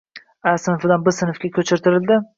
“A” sinfdan “B” sinfga ko‘chirtirdi!